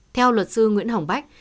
theo luật sư nguyễn hồng bách